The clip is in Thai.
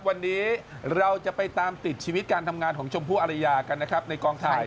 วันนี้เราจะไปตามติดชีวิตการทำงานของชมพู่อริยากันนะครับในกองถ่าย